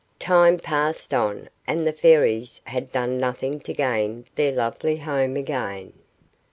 Time passed on, and the Fairies had done nothing to gain their lovely home again.